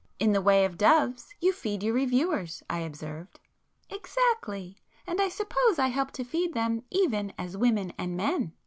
"In the way of doves, you feed your reviewers,"—I observed. "Exactly! And I suppose I help to feed them even as women and men!"